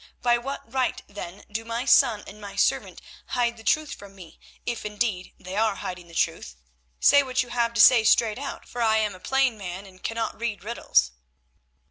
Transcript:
By what right, then, do my son and my servant hide the truth from me, if, indeed, they are hiding the truth? Say what you have to say straight out, for I am a plain man and cannot read riddles."